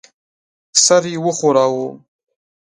سر یې وښوراوه.